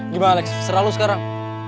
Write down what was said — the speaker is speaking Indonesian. gimana lex serah lo sekarang